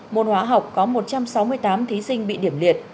môn hóa học có một trăm sáu mươi tám thí sinh bị điểm liệt